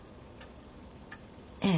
ええ。